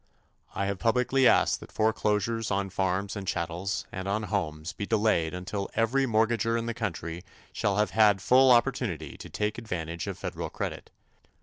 I have publicly asked that foreclosures on farms and chattels and on homes be delayed until every mortgagor in the country shall have had full opportunity to take advantage of federal credit.